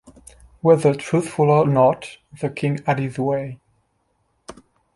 Whether truthful or not, the King had his way.